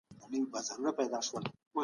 هغې د خپلي کونډي مور